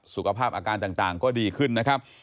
สุขภาพอาการต่างก็ดีขึ้นนะครับ